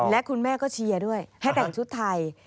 และคุณแม่ก็เชียร์ด้วยให้แต่งชุดไทย